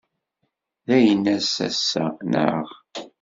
D aynas ass-a, naɣ?